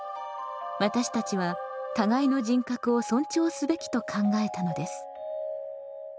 私たちは互いの人格を尊重すべきと考えたのです。